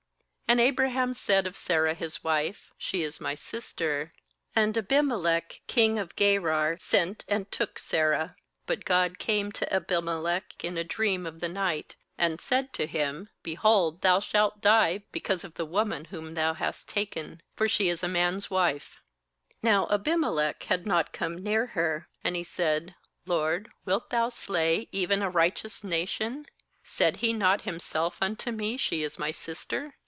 2And Abraham said of Sarah his wife: 'She is my sister.' And Abimelech king of Gerar sent, and took Sarah. 3But God came to Abimelech in a dream of the night, and said to him: 'Behold, thou shalt die, because of the woman whom thou hast taken; for she is a man's wife/ 4Now Abimelech had not come near her; and ha said: 'Lord, wilt Thou slay even a righteous nation? ^aid he not himself unto me : She is my sister?